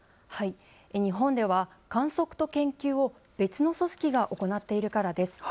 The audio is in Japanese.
日本では、観測と研究を別の組織が行っているからです。